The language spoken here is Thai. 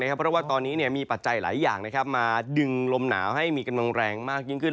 เพราะว่าตอนนี้มีปัจจัยหลายอย่างมาดึงลมหนาวให้มีกำลังแรงมากยิ่งขึ้น